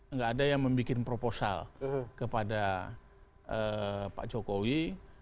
nggak ada yang membuat proposal kepada pak jokowi